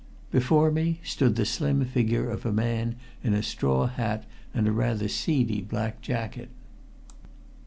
Before me stood the slim figure of a man in a straw hat and rather seedy black jacket.